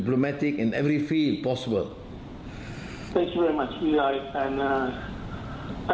เพราะมีคอบคุณสมมติที่ขอบคุณนะ